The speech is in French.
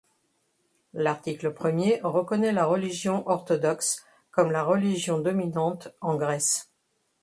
L'article premier reconnaît la religion orthodoxe comme la religion dominante en Grèce.